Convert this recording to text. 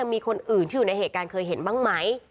มีคนอื่นที่อยู่ในเหตุการณ์เคยเห็นบ้างไหม